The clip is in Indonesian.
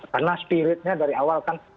karena spiritnya dari awal kan